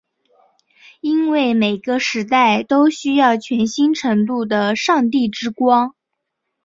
因为每个时代都需要全新程度的上帝之光。